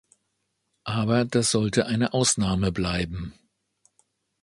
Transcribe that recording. Aber das sollte eine Ausnahme bleiben.